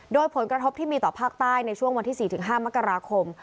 โดยผลกระทบที่มีต่อภาคใต้ในช่วงวันที่๔๕มกราคม